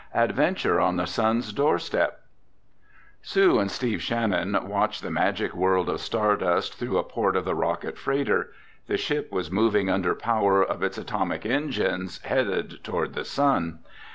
ADVENTURE ON THE SUN'S DOORSTEP Sue and Steve Shannon watched the magic world of stardust through a port of the rocket freighter. The ship was moving under power of its atomic engines, headed toward the sun.